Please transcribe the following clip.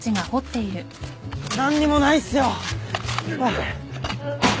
何にもないっすよ。